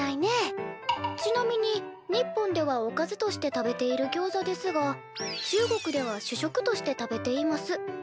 「ちなみに日本ではおかずとして食べているギョウザですが中国では主食として食べています。